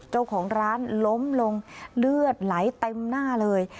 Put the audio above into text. เจ้าของร้านล้มลงเลือดไหลเต็มหน้าเลย